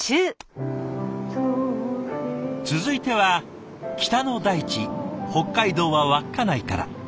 続いては北の大地北海道は稚内から。